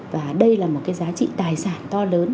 và đây là một cái giá trị tài sản to lớn